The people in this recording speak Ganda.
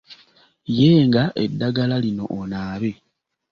Yenga eddagala lino onaabe.